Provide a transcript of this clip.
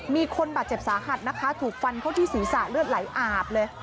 มีคนบาดเจ็บสาหัสนะคะถูกฟันเข้าที่ศีรษะเลือดไหลอาบเลย